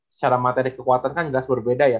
secara materi kekuatan kan jelas berbeda ya